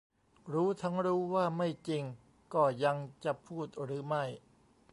รู้ทั้งรู้ว่าไม่จริงก็ยังจะพูดหรือไม่